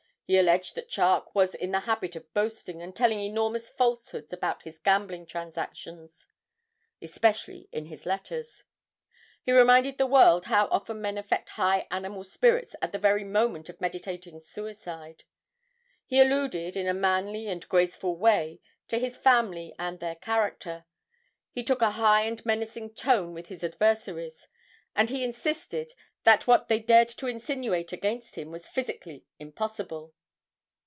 He alleged that Charke was in the habit of boasting, and telling enormous falsehoods about his gambling transactions, especially in his letters. He reminded the world how often men affect high animal spirits at the very moment of meditating suicide. He alluded, in a manly and graceful way, to his family and their character. He took a high and menacing tone with his adversaries, and he insisted that what they dared to insinuate against him was physically impossible.'